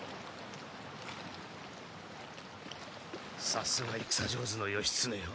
さすが戦上手の義経よ。